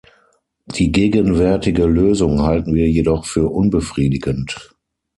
Die gegenwärtige Lösung halten wir jedoch für unbefriedigend.